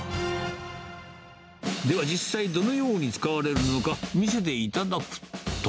では、実際どのように使われるのか、見せていただくと。